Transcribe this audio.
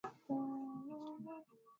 Sijui niseme nini?